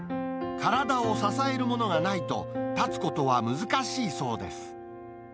体を支えるものがないと、立つことは難しいそうです。